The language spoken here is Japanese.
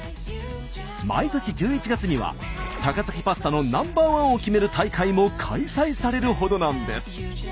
毎年１１月には高崎パスタのナンバーワンを決める大会も開催されるほどなんです。